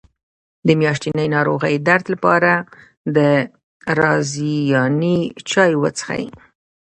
د میاشتنۍ ناروغۍ درد لپاره د رازیانې چای وڅښئ